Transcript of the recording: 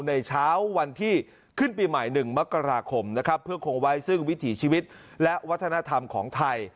ในเช้าวันที่ขึ้นปีใหม่๑มกราคมนะครับเพื่อคงไว้ซึ่งวิถีชีวิตและวัฒนธรรมของไทย